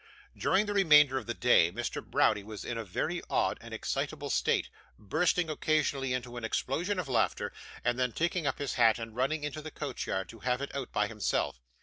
During the remainder of the day, Mr. Browdie was in a very odd and excitable state; bursting occasionally into an explosion of laughter, and then taking up his hat and running into the coach yard to have it out by himself.